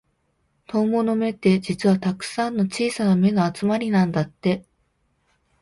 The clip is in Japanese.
トンボの目って、実はたくさんの小さな目の集まりなんだって。